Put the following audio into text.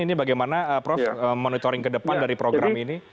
ini bagaimana prof monitoring ke depan dari program ini